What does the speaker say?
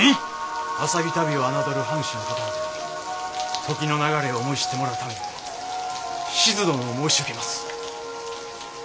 浅葱足袋を侮る藩士の方々に時の流れを思い知ってもらうためにも志津殿を申し受けます。